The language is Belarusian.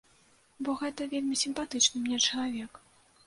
Бо гэта вельмі сімпатычны мне чалавек.